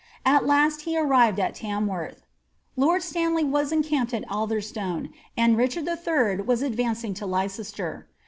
At last he arrived at Tam worth. Lord Stanley was encamped at Atherstone, and Richard III. was advancing to Leicester.